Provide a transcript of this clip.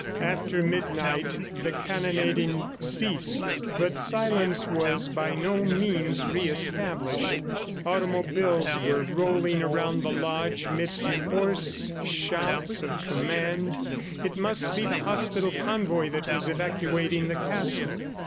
After midnight the cannonading ceased, but silence was by no means re established. Automobiles were rolling around the lodge midst hoarse shouts of command. It must be the hospital convoy that was evacuating the castle.